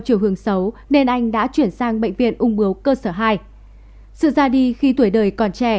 chiều hướng xấu nên anh đã chuyển sang bệnh viện ung bướu cơ sở hai sự ra đi khi tuổi đời còn trẻ